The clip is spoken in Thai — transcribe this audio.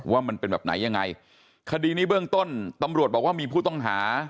ว่ามันเป็นแบบไหนยังไงคดีนี้เบื้องต้นตำรวจบอกว่ามีผู้ต้องหา